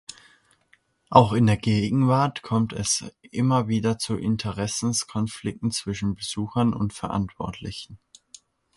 Auch in der Gegenwart kommt es immer wieder zu Interessenskonflikten zwischen Besuchern und Verantwortlichen.